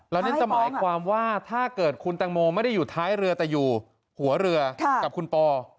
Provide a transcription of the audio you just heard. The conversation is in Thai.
แล้วนี่จะหมายความว่าถ้าเกิดคุณตังโมไม่ได้อยู่ท้ายเรือแต่อยู่หัวเรือกับคุณปอ